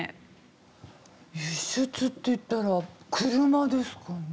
輸出っていったら車ですかね？